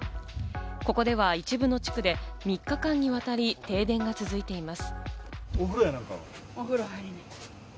ここでは一部の地区で３日間にわたり停電が続いています。